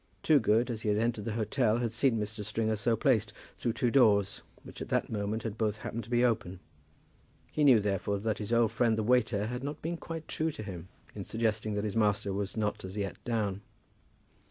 Toogood, as he had entered the hotel, had seen Mr. Stringer so placed, through the two doors, which at that moment had both happened to be open. He knew therefore that his old friend the waiter had not been quite true to him in suggesting that his master was not as yet down.